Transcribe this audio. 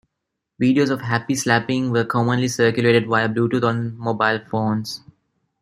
Videos of Happy Slapping were commonly circulated via Bluetooth on mobile phones.